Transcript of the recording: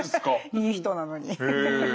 いい人なのに。へ。